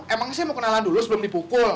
emangnya saya mau kenalan dulu sebelum dipukul